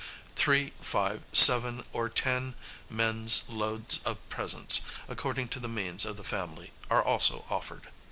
Three, five, seven, or ten men's loads of presents, according to the means of the family, are also offered.